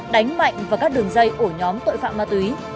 đánh mạnh vào các đường dây ổ nhóm tội phạm ma túy